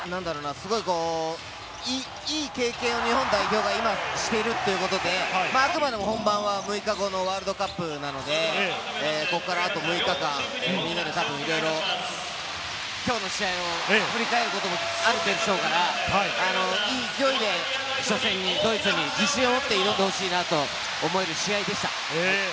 いい経験を日本代表がしているということで、あくまでも本番は６日後のワールドカップなので、あと６日間、みんなでいろいろきょうの試合を振り返ることもあるでしょうから、いい勢いで初戦に自信を持って挑んでほしいと思える試合でした。